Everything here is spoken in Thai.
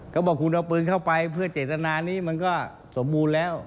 เขาบอกคุณเอาปืนเข้าไปเพื่อเจตนานี้มันก็สมบูรณ์แล้ว